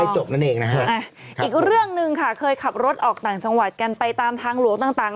จบนั่นเองนะฮะอีกเรื่องหนึ่งค่ะเคยขับรถออกต่างจังหวัดกันไปตามทางหลวงต่าง